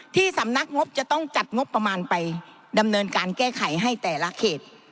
ที่สำนักงบจะต้องจัดงบประมาณไปดำเนินการแก้ไขให้แต่ละเขต